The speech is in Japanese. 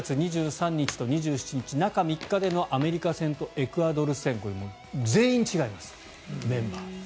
９月２３日と２７日中３日でのアメリカ戦とエクアドル戦これは全員違います、メンバー。